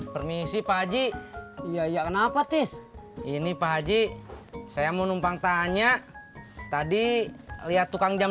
permisi pak haji iya kenapa tes ini pak haji saya mau numpang tanya tadi lihat tukang jam